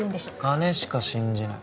金しか信じない。